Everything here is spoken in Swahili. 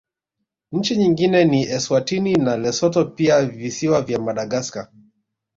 Nchi nyingine ni Eswatini na Lesotho pia Visiwa vya Madagaskar